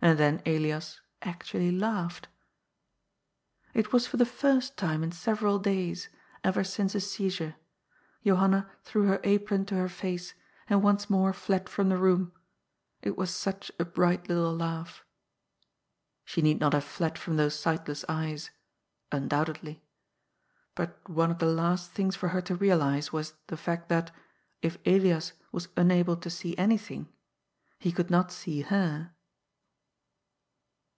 And then Elias actually laughed. It was for the first time in several days, ever since his seizure. Johanna threw her apron to her face, and once more fled from the room. It was such a bright little laugh. She need not have fled from those sightless eyes. Un doubtedly. But one of the last things for her to realize was the fact that, if Elias was unable to see anything, he could not see her.